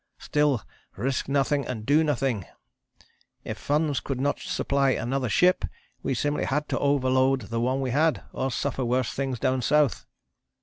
Still 'Risk nothing and do nothing,' if funds could not supply another ship, we simply had to overload the one we had, or suffer worse things down south.